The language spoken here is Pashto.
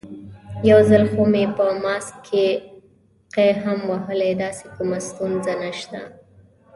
یو ځل خو مې په ماسک کې قی هم وهلی، داسې کومه ستونزه نشته.